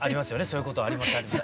そういうことあります。